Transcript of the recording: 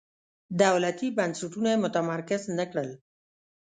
دولتي بنسټونه یې متمرکز نه کړل.